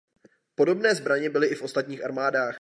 Podobné zbraně byly i v ostatních armádách.